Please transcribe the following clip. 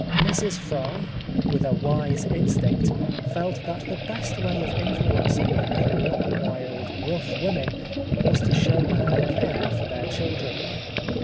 Mrs. Fry, with a wise instinct, felt that the best way of influencing the poor, wild, rough women was to show her care for their children.